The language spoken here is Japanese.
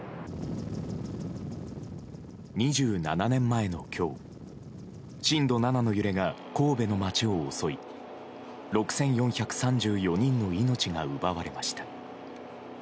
２７年前の今日震度７の揺れが神戸の街を襲い６４３４人の命が奪われました。